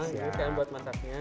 ini teman buat masaknya